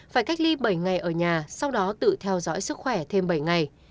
phải cách ly bảy ngày ở nhà sau đó tự theo dõi sức khỏe thêm bảy ngày